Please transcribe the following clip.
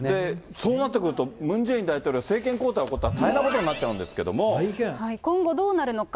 そうなってくると、ムン・ジェイン大統領は政権交代起こったら大変なことになっちゃ今後どうなるのか。